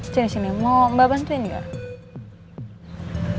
cini cini mau mbak bantuin gak